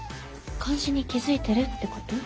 監視に気付いてるってこと？